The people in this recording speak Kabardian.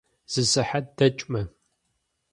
Зы сыхьэт дэкӏмэ.